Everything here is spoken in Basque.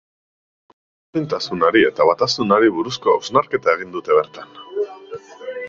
Ezberdintasunari eta batasunari buruzko hausnarketa egin dute bertan.